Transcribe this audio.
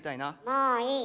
もういい。